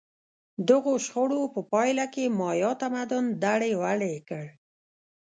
دغو شخړو په پایله کې مایا تمدن دړې وړې کړ